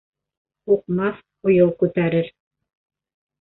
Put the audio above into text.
Һуҡмаҫ һуйыл күтәрер.